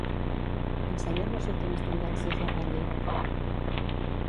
Ensenya'm les últimes tendències a Reddit.